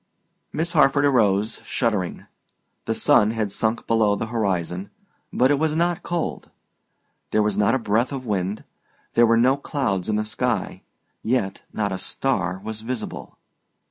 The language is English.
Miss Harford arose, shuddering; the sun had sunk below the horizon, but it was not cold. There was not a breath of wind; there were no clouds in the sky, yet not a star was visible.